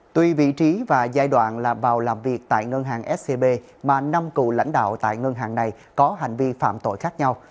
tuy vị trí và giai đoạn là vào làm việc tại ngân hàng scb mà năm cựu lãnh đạo tại ngân hàng này có hành vi phạm tội khác nhau